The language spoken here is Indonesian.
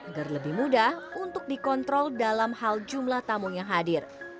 agar lebih mudah untuk dikontrol dalam hal jumlah tamu yang hadir